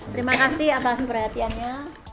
terima kasih atas perhatiannya